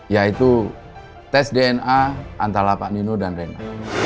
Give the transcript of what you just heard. yaitu tes dna antara pak nino dan rena